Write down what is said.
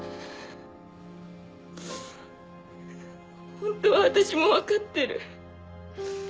ホントは私も分かってる。